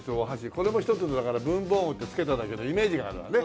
これも一つのだから文房具って付けただけのイメージがあるからね。